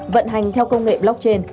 vận hành theo công nghệ blockchain